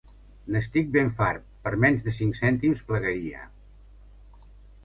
N'estic ben fart: per menys de cinc cèntims plegaria!